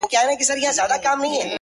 • په دې شعر به څوک پوه سي ,